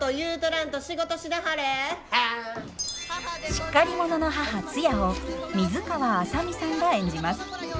しっかり者の母ツヤを水川あさみさんが演じます。